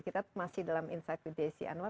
kita masih dalam insight with desi anwar